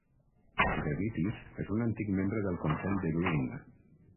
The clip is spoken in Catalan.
Devitis és un antic membre del Consell de Green.